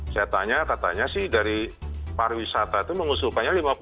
saya tanya katanya sih dari pariwisata itu mengusulkannya lima puluh